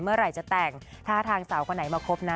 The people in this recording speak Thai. เมื่อไหร่จะแต่งถ้าทางสาวคนไหนมาคบนะ